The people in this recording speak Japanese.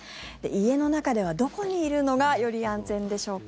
家の中ではどこにいるのがより安全でしょうか。